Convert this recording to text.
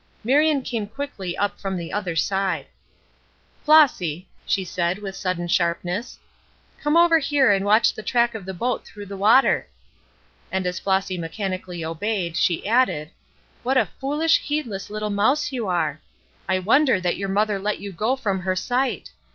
Marion came quickly up from the other side. "Flossy," she said, with sudden sharpness, "come over here and watch the track of the boat through the water." And as Flossy mechanically obeyed, she added: "What a foolish, heedless little mouse you are! I wonder that your mother let you go from her sight.